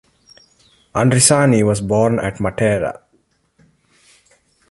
Andrisani was born at Matera.